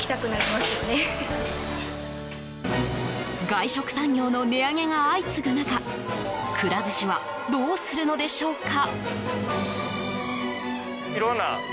外食産業の値上げが相次ぐ中くら寿司はどうするのでしょうか？